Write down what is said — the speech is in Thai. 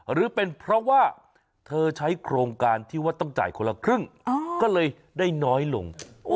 หรือเป็นเพราะว่าเธอใช้โครงการที่ว่าต้องจ่ายคนละครึ่งก็เลยได้น้อยลง